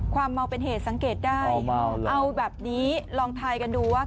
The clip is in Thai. ความเมาเป็นเหตุสังเกตได้เอาแบบนี้ลองทายกันดูว่า